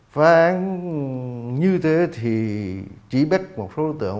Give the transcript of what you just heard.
phá án như thế thì chỉ bắt một số đối tượng